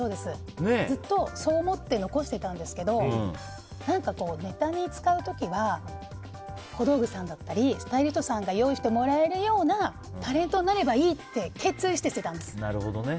ずっと、そう思って残してたんですけど何かネタに使う時は小道具さんだったりスタイリストさんが用意してもらえるようなタレントになればいいって決意して捨てたんです。